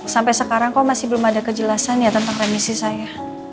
sampai sekarang kok masih belum ada kejelasan ya tentang remisi saya